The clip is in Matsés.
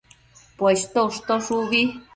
Poshto ushtosh ubi